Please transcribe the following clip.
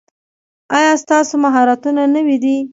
ایا ستاسو مهارتونه نوي دي؟